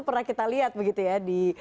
pernah kita lihat begitu ya